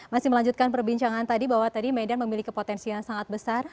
masih melanjutkan perbincangan tadi bahwa tadi medan memiliki potensi yang sangat besar